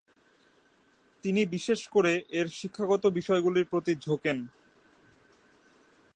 তিনি বিশেষ করে এর শিক্ষাগত বিষয়গুলির প্রতি ঝোঁকেন।